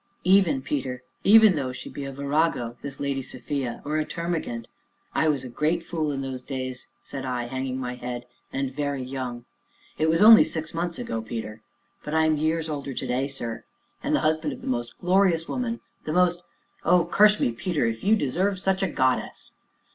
"Even, Peter even though she be a virago, this Lady Sophia or a termagant " "I was a great fool in those days," said I, hanging my head, "and very young!" "It was only six months ago, Peter." "But I am years older today, sir." "And the husband of the most glorious woman the most oh, curse me, Peter, if you deserve such a goddess!"